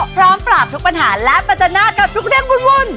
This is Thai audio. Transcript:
พร้อมปราบทุกปัญหาและปัจจนากับทุกเรื่องวุ่น